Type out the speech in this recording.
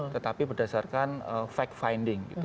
tetapi berdasarkan fact finding